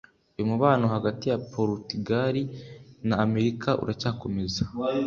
Uyu mubano hagati ya Porutugali na Amerika uracyakomeza